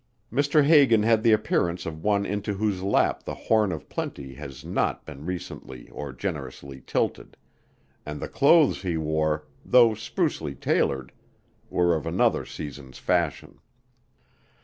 Mr. Hagan had the appearance of one into whose lap the horn of plenty has not been recently or generously tilted, and the clothes he wore, though sprucely tailored, were of another season's fashion.